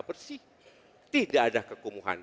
bersih tidak ada kekumuhan